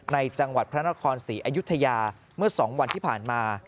จังหวัดพระนครศรีอยุธยาเมื่อ๒วันที่ผ่านมา